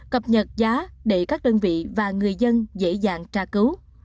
cập nhật giá để các đơn vị và người dân dễ dàng tra cứu